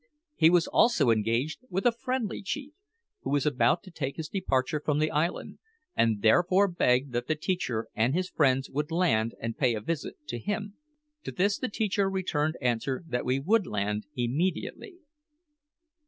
He was also engaged with a friendly chief, who was about to take his departure from the island, and therefore begged that the teacher and his friends would land and pay a visit to him. To this the teacher returned answer that we would land immediately.